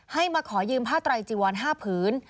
ให้มาขอยืมผ้าไตรจิวร๕ผืน